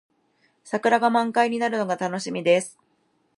桜が満開になるのが楽しみです。